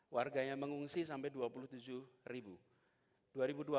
warganya mengungsi sampai dua puluh tujuh ribu